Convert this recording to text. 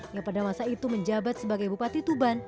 yang pada masa itu menjabat sebagai bupati tuban